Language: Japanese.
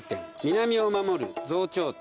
南を守る増長天。